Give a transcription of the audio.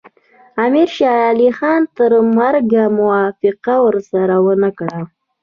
امیر شېر علي خان تر مرګه موافقه ورسره ونه کړه.